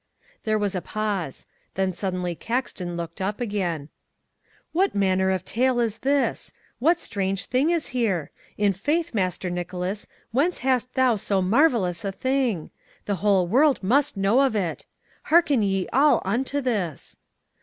There was a pause. Then suddenly Caxton looked up again. "What manner of tale is this! What strange thing is here! In faith, Master Nicholas, whence hast thou so marvelous a thing! The whole world must know of it. Harken ye all to this!